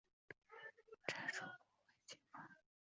拆除破坏警方架设之拒马